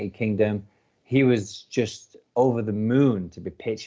di amerika serikat